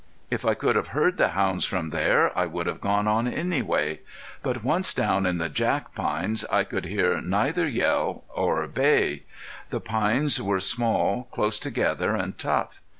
If I could have heard the hounds from there I would have gone on anyway. But once down in the jack pines I could hear neither yell or bay. The pines were small, close together, and tough.